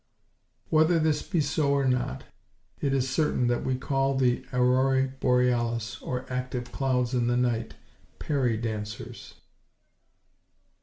Whether this be so or not, it is certain that we call the auroræ boreales, or active clouds, in the night, perry–dancers.